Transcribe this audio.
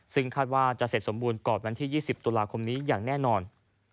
ซึ่งคาดว่าจะเสร็จสมบูรณ์ก่อนวันที่๒๐ตุลาคมนี้อย่างแน่นอน